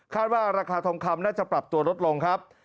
ว่าราคาทองคำน่าจะปรับตัวลดลงครับ